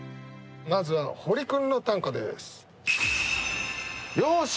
まずはホリ君の短歌です。